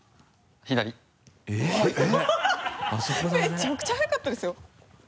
めちゃくちゃ早かったですよ。